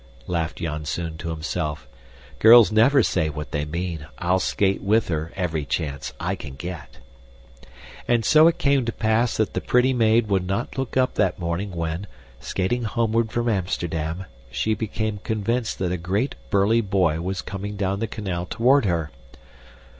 laughed Janzoon to himself. Girls never say what they mean. I'll skate with her every chance I can get. And so it came to pass that the pretty maid would not look up that morning when, skating homeward from Amsterdam, she became convinced that a great burly boy was coming down the canal toward her.